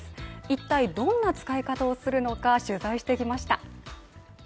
いったいどんな使い方をするのか取材してきました。